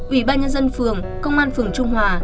ủy ban nhân dân phường công an phường trung hòa